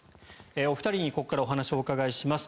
お二人にここからお話をお伺いします。